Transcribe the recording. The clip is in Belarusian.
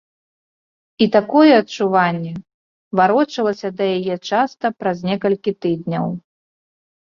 І такое адчуванне варочалася да яе часта праз некалькі тыдняў.